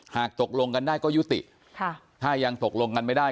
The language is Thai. ตกลงกันได้ก็ยุติถ้ายังตกลงกันไม่ได้